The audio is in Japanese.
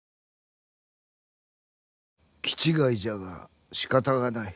きちがいじゃがしかたがない。